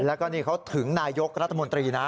แล้วก็นี่เขาถึงนายกรัฐมนตรีนะ